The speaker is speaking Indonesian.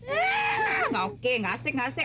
enggak oke gak asik gak asik